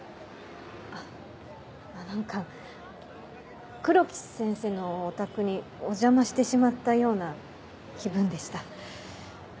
何か黒木先生のお宅にお邪魔してしまったような気分でした。